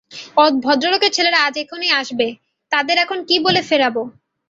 ভদ্রলোকের ছেলেরা আজ এখনই আসবে, তাদের এখন কী বলে ফেরাব।